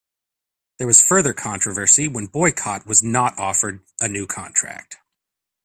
There was further controversy when Boycott was not offered a new contract.